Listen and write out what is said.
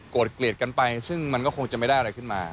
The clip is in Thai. เกลียดกันไปซึ่งมันก็คงจะไม่ได้อะไรขึ้นมา